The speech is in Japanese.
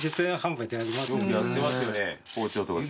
よくやってますよね包丁とか。